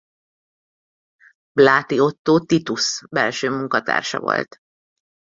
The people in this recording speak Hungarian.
Bláthy Ottó Titusz belső munkatársa volt.